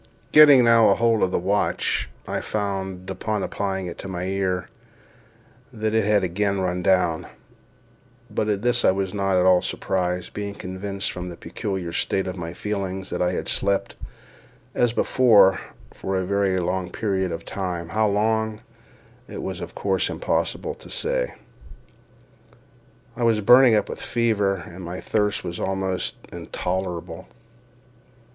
Getting now hold of the watch, I found, upon applying it to my ear, that it had again run down; but at this I was not at all surprised, being convinced, from the peculiar state of my feelings, that I had slept, as before, for a very long period of time, how long, it was of course impossible to say. I was burning up with fever, and my thirst was almost intolerable.